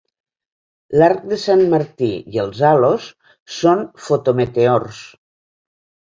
L'arc de Sant Martí i els halos són fotometeors.